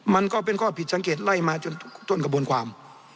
มันก็เป็นข้อผิดสังเกตไล่มาจนต้นกระบวนความ